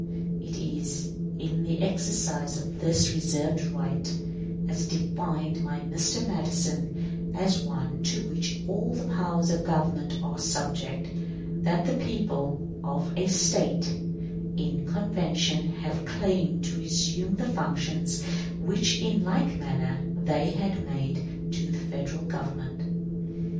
It is in the exercise of this reserved right as defined by Mr. Madison, as one to which all the powers of Government are subject, that the people of a State in convention have claimed to resume the functions which in like manner they had made to the Federal Government....